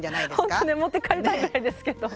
ほんとに持って帰りたいぐらいですけど。